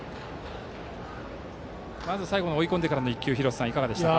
まず最後、追い込んでから最後の１球、いかがでしたか？